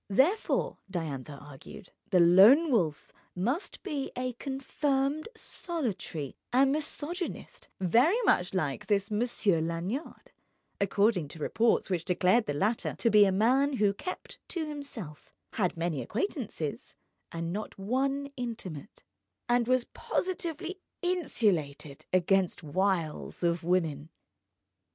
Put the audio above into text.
Therefore (Diantha argued) the Lone Wolf must be a confirmed solitary and misogynist—very much like this Monsieur Lanyard, according to reports which declared the latter to be a man who kept to himself, had many acquaintances and not one intimate, and was positively insulated against wiles of woman.